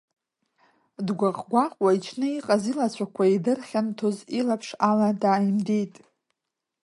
Дгәаҟ-гәаҟуа, ичны иҟаз илацәақәа идырхьанҭоз илаԥш ала дааимидеит.